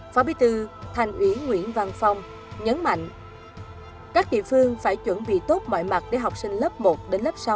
phó bí thư thành ủy nguyễn văn phong nhấn mạnh các địa phương phải chuẩn bị tốt mọi mặt để học sinh lớp một đến lớp sáu